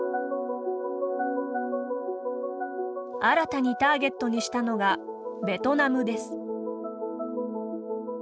新たにターゲットにしたのがベトナムです。